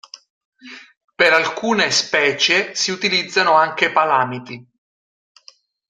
Per alcune specie si utilizzano anche palamiti.